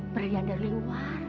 berlian dari luar